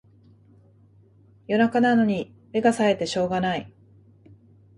夜中なのに目がさえてしょうがない